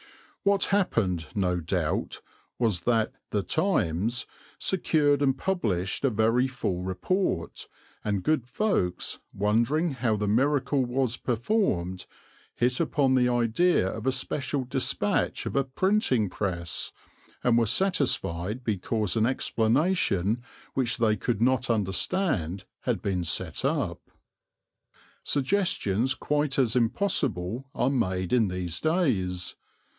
What happened, no doubt, was that The Times secured and published a very full report, and good folks, wondering how the miracle was performed, hit upon the idea of a special dispatch of a printing press, and were satisfied because an explanation which they could not understand had been set up. Suggestions quite as impossible are made in these days.